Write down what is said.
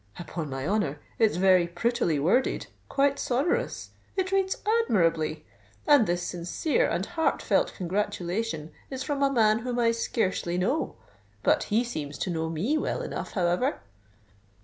_' Upon my honour, it's very prettily worded—quite sonorous! It reads admirably. And this sincere and heart felt congratulation is from a man whom I scarcely know. But he seems to know me well enough, however.